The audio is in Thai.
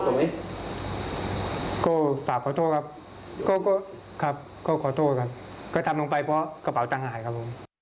ก็ทำลงไปเพราะกระเป๋าตังหายครับ